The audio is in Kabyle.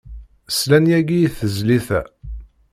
Slan yagi i tezlit-a.